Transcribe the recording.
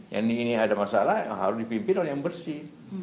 yang ini ada masalah harus dipimpin oleh yang bersih